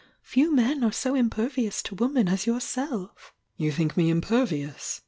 F«. men are so imperviou. to woman as your "You think me impervious?" .